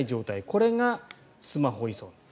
これがスマホ依存。